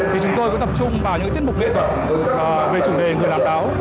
thì chúng tôi cũng tập trung vào những tiết mục lễ thuật về chủ đề người làm báo